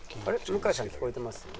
向井さん聞こえてます？